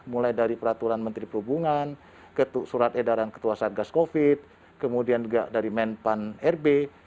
mulai dari peraturan menteri perhubungan surat edaran ketua satgas covid kemudian juga dari menpan rb